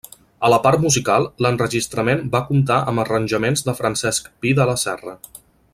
A la part musical, l'enregistrament va comptar amb arranjaments de Francesc Pi de la Serra.